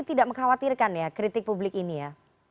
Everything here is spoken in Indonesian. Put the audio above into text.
tidak mengkhawatirkan ya kritik publik ini ya